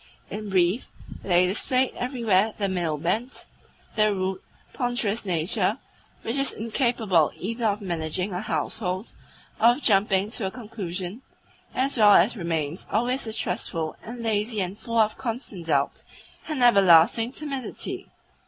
In brief, they displayed everywhere the male bent, the rude, ponderous nature which is incapable either of managing a household or of jumping to a conclusion, as well as remains always distrustful and lazy and full of constant doubt and everlasting timidity.